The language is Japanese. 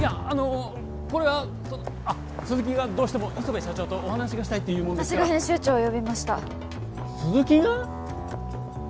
あのこれはその鈴木がどうしても磯辺社長とお話がしたいって私が編集長を呼びました鈴木が！？